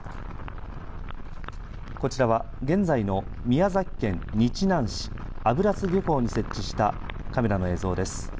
こちらは現在の宮崎県日南市油津漁港に設置したカメラの映像です。